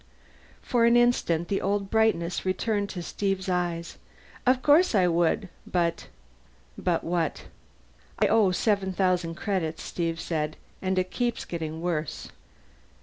For an instant the old brightness returned to Steve's eyes. "Of course I would! But " "But what?" "I owe seven thousand credits," Steve said. "And it keeps getting worse.